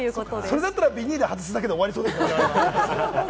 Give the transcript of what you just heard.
それだったらビニール外すだけで終わりそうですね。